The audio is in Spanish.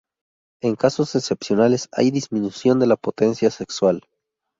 En casos excepcionales, hay disminución de la potencia sexual.